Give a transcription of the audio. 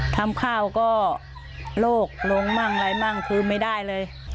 ทำข้าวก็โล่งลงมั่งอะไรมั่งคือไม่ได้เลย